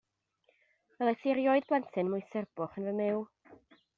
Welais i erioed blentyn mwy surbwch yn fy myw.